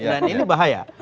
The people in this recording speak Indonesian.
dan ini bahaya